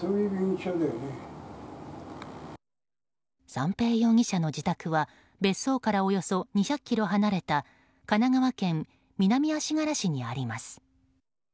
三瓶容疑者の自宅は、別荘からおよそ２００ｋｍ離れた神奈川県南足柄市にあります。